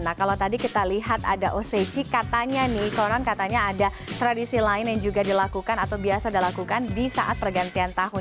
nah kalau tadi kita lihat ada osechi katanya nih konon katanya ada tradisi lain yang juga dilakukan atau biasa dilakukan di saat pergantian tahun